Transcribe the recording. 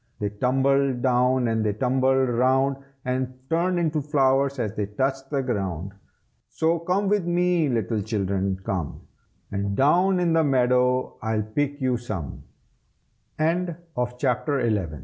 They tumbled down and they tumbled round, And turned into flowers as they touched the ground. So come with me, little children, come, And down in the meadow I'l